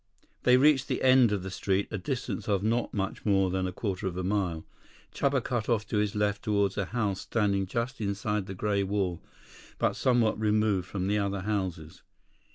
They reached the end of the street, a distance of not much more than a quarter of a mile. Chuba cut off to his left toward a house standing just inside the gray wall, but somewhat removed from the other houses.